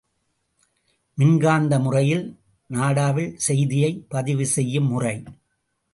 மின்காந்த முறையில் நாடாவில் செய்தியைப் பதிவு செய்யும் முறை.